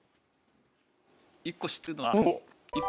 １個知ってるのは。